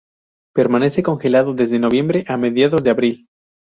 Permanece congelado desde noviembre a mediados de abril.